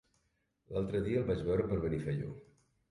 L'altre dia el vaig veure per Benifaió.